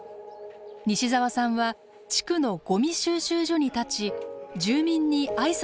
西澤さんは地区のごみ収集所に立ち住民に挨拶する活動を始めました。